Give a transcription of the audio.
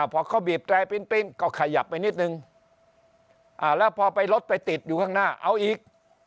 พอเขาบีบแตรปิ๊งก็ขยับไปนิดนึงแล้วพอไปรถไปติดอยู่ข้างหน้าเอาอีก